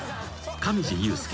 上地雄輔。